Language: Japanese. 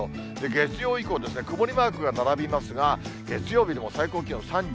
月曜以降、曇りマークが並びますが、月曜日も最高気温３１度。